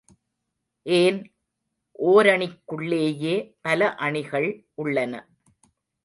ஏன், ஓரணிக் குள்ளேயே பல அணிகள் உள்ளன.